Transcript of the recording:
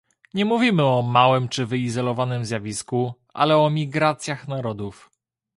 Nie mówimy o małym czy wyizolowanym zjawisku, ale o migracjach narodów